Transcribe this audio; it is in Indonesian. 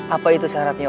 apa itu syaratnya om